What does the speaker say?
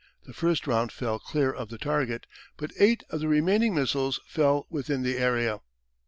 The first round fell clear of the target, but eight of the remaining missiles fell within the area.